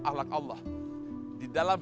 ahlak allah di dalam